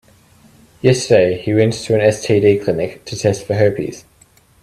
Yesterday, he went to an STD clinic to test for herpes.